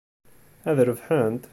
Ad rebḥent?